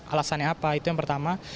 alasannya apa itu yang pertama